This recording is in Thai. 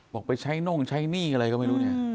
ไปใช้น่งใช้หนี้อะไรก็ไม่รู้เนี่ย